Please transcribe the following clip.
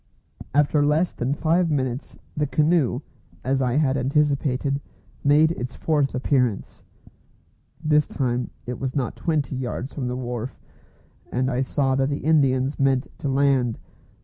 After less than five minutes the canoe, as I had anticipated, made its fourth appearance. This time it was not twenty yards from the wharf, and I saw that the Indians meant to land.